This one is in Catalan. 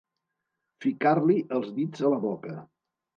Ficar-li els dits a la boca.